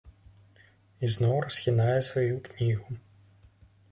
Ізноў расхінае сваю кнігу.